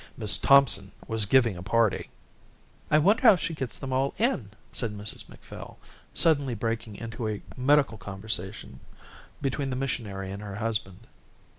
Miss Thompson was giving a party. "I wonder how she gets them all in," said Mrs Macphail, suddenly breaking into a medical conversation between the missionary and her husband.